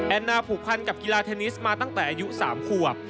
น่าผูกพันกับกีฬาเทนนิสมาตั้งแต่อายุ๓ขวบ